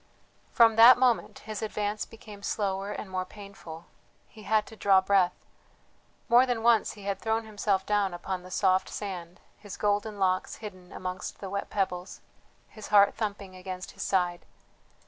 From that moment his advance became slower and more painful, he had to draw breath; more than once he had thrown himself down upon the soft sand, his golden locks hidden amongst the wet pebbles, his heart thumping against his side.